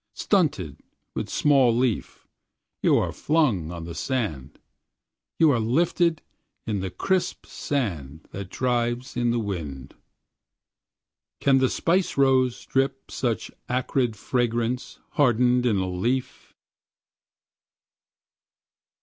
Stunted, with small leaf, you are flung on the sand, you are lifted in the crisp sand that drives in the wind. Can the spice rose drip such acrid fragrance hardened in a leaf?